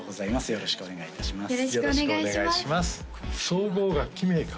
よろしくお願いします